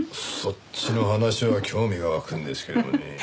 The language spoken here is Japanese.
そっちの話は興味が湧くんですけどねえ。